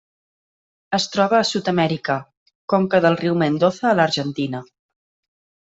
Es troba a Sud-amèrica: conca del riu Mendoza a l'Argentina.